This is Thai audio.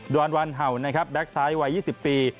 ดวนวันเห่าแบ็คซ้ายวัย๒๐ปี